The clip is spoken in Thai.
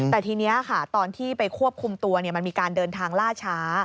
แต่ทีนี้ค่ะตอนที่ไปควบคุมตัวมันมีการเดินทางล่าช้า